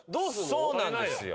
そうなんですよ。